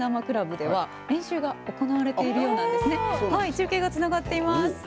中継がつながっています。